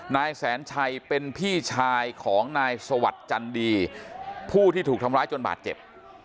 นายแสนชัยเป็นพี่ชายของนายสวัสดิ์จันดีผู้ที่ถูกทำร้ายจนบาดเจ็บ